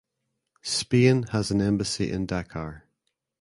Spain has an embassy in Dakar.